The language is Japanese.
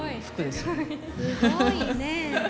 すごいねえ。